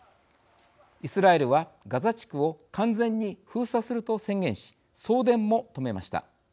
イスラエルはガザ地区を完全に封鎖すると宣言し送電も止めました。